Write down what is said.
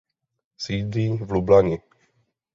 Sídlí v Lublani.